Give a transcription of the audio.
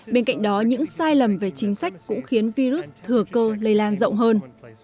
bên cạnh đó những sai lầm về chính sách cũng khiến virus thừa cơ lây lan rộng hơn